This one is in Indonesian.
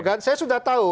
saya sudah tahu